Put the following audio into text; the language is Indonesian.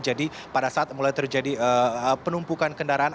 jadi pada saat mulai terjadi penumpukan kendaraan